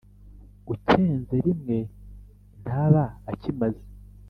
ucyenze rimwe ntaba akimaze.